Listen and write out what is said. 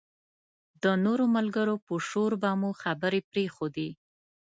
د نورو ملګرو په شور به مو خبرې پرېښودې.